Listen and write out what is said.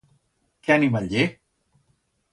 Qué animal ye?